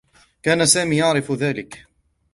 كان سامي يعرف ذلك.